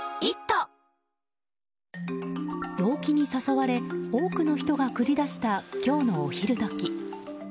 陽気に誘われ多くの人が繰り出した今日のお昼時。